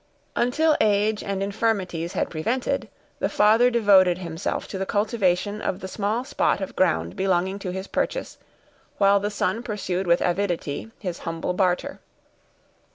Until age and infirmities had prevented, the father devoted himself to the cultivation of the small spot of ground belonging to his purchase, while the son pursued with avidity his humble barter.